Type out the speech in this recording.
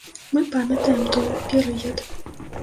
Мы памятаем той перыяд.